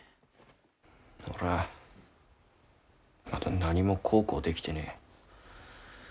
俺はまだ何も孝行できてねぇ。